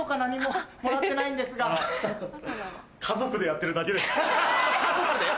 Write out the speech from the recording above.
ハハっ家族でやってるだけです。